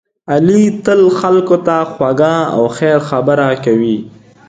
علی تل خلکو ته خوږه او خیر خبره کوي.